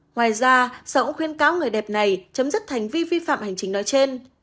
ngoài ra sở cũng khuyên cáo người đẹp này chấm dứt hành vi vi phạm hành chính nói trên